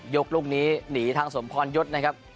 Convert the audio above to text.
ลูกนี้หนีทางสมพรยศนะครับ